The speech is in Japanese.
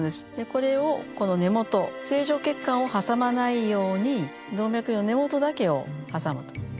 これをこの根元正常血管を挟まないように動脈瘤の根元だけを挟むと。